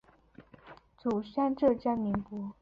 祖籍浙江宁波。